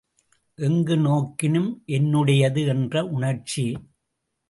எங்கு நோக்கினும் என்னுடையது என்ற உணர்ச்சி!